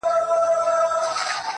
• د پيغورونو په مالت کي بې ريا ياري ده.